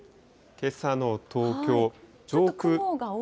けさの東京、上空。